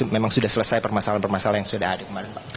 memang sudah selesai permasalahan permasalahan yang sudah ada kemarin pak